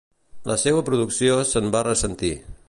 La seua producció se'n va ressentir.